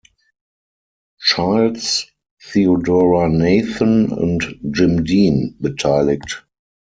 Childs, Theodora Nathan und Jim Dean beteiligt.